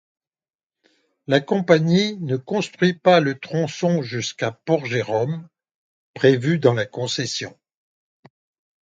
La Compagnie ne construit pas le tronçon jusqu'à Port-Jérôme prévu dans la concession.